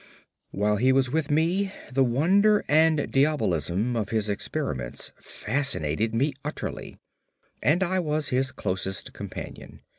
While he was with me, the wonder and diabolism of his experiments fascinated me utterly, and I was his closest companion.